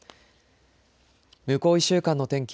向こう１週間の天気